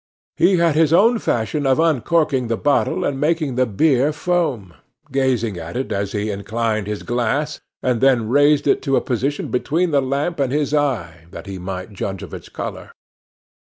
He had his own fashion of uncorking the bottle and making the beer foam, gazing at it as he inclined his glass and then raised it to a position between the lamp and his eye that he might judge of its color.